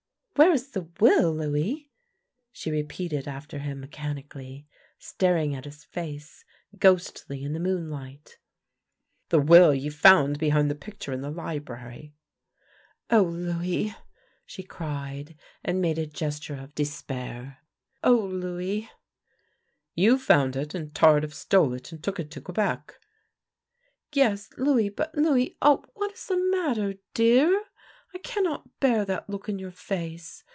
" Where is the will, Louis! " she repeated after him mechanically, staring at his face, ghostly in the moon light. '' The will you found behind the picture in the library." " Oh, Louis! " she cried, and made a gesture of de spair. " Oh, Louis! "" You found it, and Tardif stole it and took it to Quebec." " Yes, Louis, but Louis — ah, what is the matter, dear? I cannot bear that look in your face.